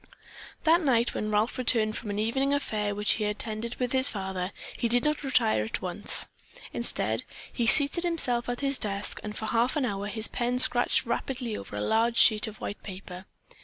That night, when Ralph returned from an evening affair which he had attended with his father, he did not retire at once. Instead, he seated himself at his desk and for half an hour his pen scratched rapidly over a large sheet of white paper.